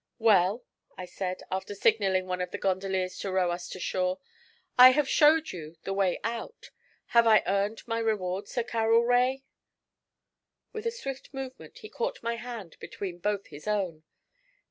'Well,' I said, after signalling one of the gondoliers to row us to shore, 'I have showed you the way out; have I earned my reward, Sir Carroll Rae?' With a swift movement he caught my hand between both his own.